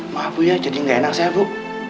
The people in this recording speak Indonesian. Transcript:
maaf bu ya jadi nggak enak saya bu